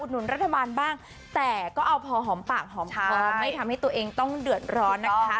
หนุนรัฐบาลบ้างแต่ก็เอาพอหอมปากหอมคอไม่ทำให้ตัวเองต้องเดือดร้อนนะคะ